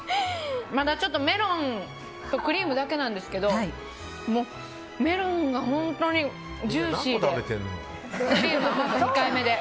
まだメロンとクリームだけなんですけどもうメロンが本当にジューシーで。